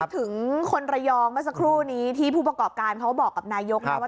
ถึงคนระยองเมื่อสักครู่นี้ที่ผู้ประกอบการเขาบอกกับนายกนะว่า